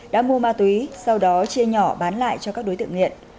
đã mua ma túy sau đó chia nhỏ bán lại cho các đối tượng nghiện